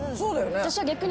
私は逆に。